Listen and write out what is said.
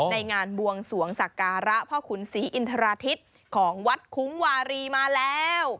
ในงานบวงสวงศักราระพศรีอินทราธิตของวัดคุ๋มวาลีมาแล้ว